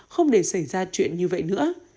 không để xảy ra chuyện như vậy nữa